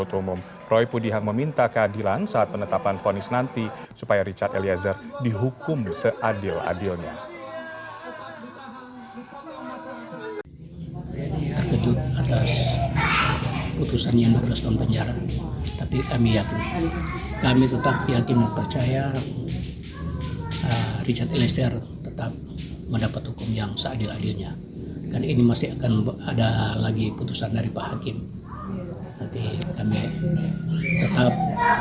pembacaan terdakwa kasus pembunuhan brigadir yosua richard eliezer menangis mendengar jaksa menutut eliezer dengan hukuman dua belas tahun